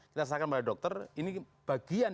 kita serahkan pada dokter ini bagian